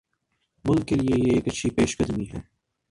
ملک کیلئے یہ ایک اچھی پیش قدمی ہے۔